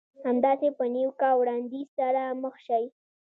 همداسې په نيوکه او وړانديز سره مخ شئ.